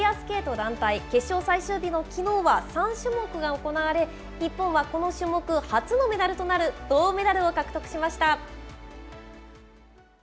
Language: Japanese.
フィギュアスケート団体決勝最終日のきのうは、３種目が行われ、日本はこの種目初のメダルとなる銅メダルを獲得しました。